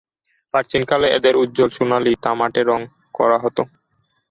প্রাচীনকালে এদের উজ্জল সোনালি/তামাটে রঙ করা হত।